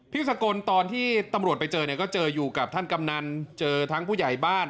สกลตอนที่ตำรวจไปเจอเนี่ยก็เจออยู่กับท่านกำนันเจอทั้งผู้ใหญ่บ้าน